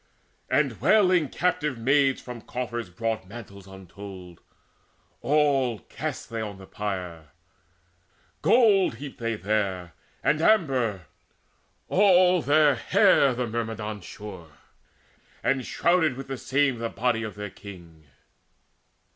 And wailing captive maids from coffers brought Mantles untold; all cast they on the pyre: Gold heaped they there and amber. All their hair The Myrmidons shore, and shrouded with the same The body of their king.